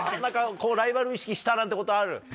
何かライバル意識したなんてことある？